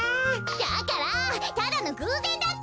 だからただのぐうぜんだって！